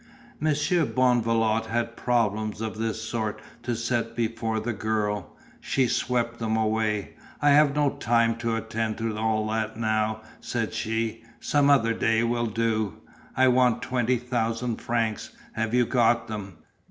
Monsieur Bonvalot had problems of this sort to set before the girl she swept them away. "I have no time to attend to all that now," said she, "some other day will do. I want twenty thousand francs, have you got them?"